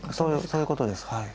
そういうことですはい。